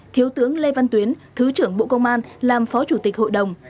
thiếu tướng lê văn tuyến thứ trưởng bộ công an làm phó chủ tịch hội đồng